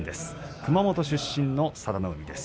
熊本出身の佐田の海です。